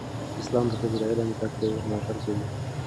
اسلام د ښځو د علم زده کړې ملاتړ کوي.